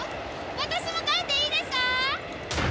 私も帰っていいですかー？